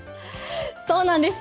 そうなんです。